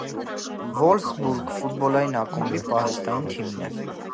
«Վոլֆսբուրգ» ֆուտբոլային ակումբի պահեստային թիմն է։